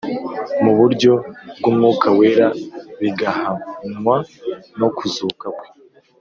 mu buryo bw’Umwuka Wera bigahamywa no kuzuka kwe